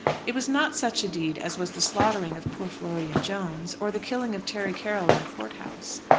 It was not such a deed as was the slaughtering of poor Florian Jones, or the killing of Terry Carroll in the court house.